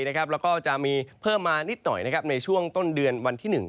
แล้วก็จะมีเพิ่มมานิดหน่อยในช่วงต้นเดือนวันที่๑